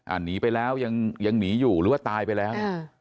อันนี้ไปแล้วยังยังหนีอยู่หรือว่าตายไปแล้ว